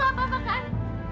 ibu apa apa kan